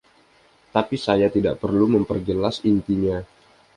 Tapi saya tidak perlu memperjelas intinya.